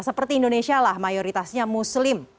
seperti indonesia lah mayoritasnya muslim